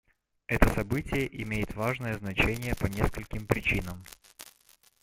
Это событие имеет важное значение по нескольким причинам.